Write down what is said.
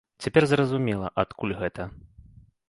Цяпер зразумела, адкуль гэта!